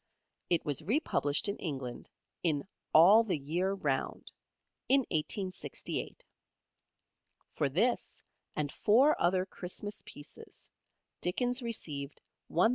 It was republished in England in "All the Year Round" in 1868. For this and four other Christmas pieces Dickens received £1,000.